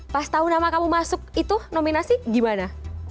pas tahu nama kamu masuk itu nominasi gimana